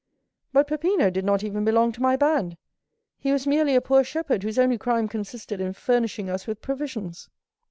"But Peppino did not even belong to my band; he was merely a poor shepherd, whose only crime consisted in furnishing us with provisions."